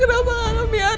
kenzo benci sama papa